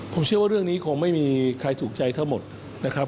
ผมเชื่อว่าเรื่องนี้คงไม่มีใครถูกใจทั้งหมดนะครับ